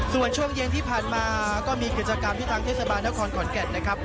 ส่วนช่วงเย็นที่ผ่านมาก็มีกิจกรรมที่ทางเทศบาลนครขอนแก่นนะครับ